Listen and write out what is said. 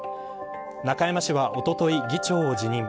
中山氏は、おととい議長を辞任。